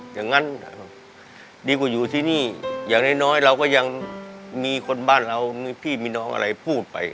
อย่างนั้นดีกว่าอยู่ที่นี่อย่างน้อยเราก็ยังมีคนบ้านเรามีพี่มีน้องอะไรพูดไป